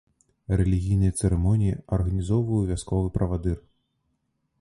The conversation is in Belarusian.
Рэлігійныя цырымоніі арганізоўваў вясковы правадыр.